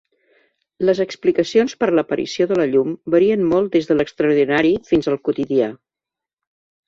Les explicacions per l'aparició de la llum varien molt des de l'extraordinari fins al quotidià.